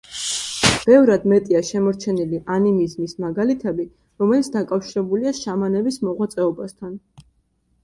ბევრად მეტია შემორჩენილი ანიმიზმის მაგალითები, რომელიც დაკავშირებულია შამანების მოღვაწეობასთან.